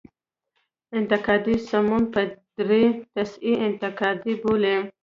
انتقادي سمون په دري تصحیح انتقادي بولي.